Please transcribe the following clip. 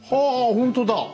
ほんとだ。